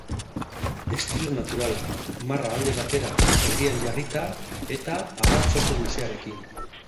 Estilo naturala, marra alde batera nahiz erdian jarrita eta adats oso luzearekin.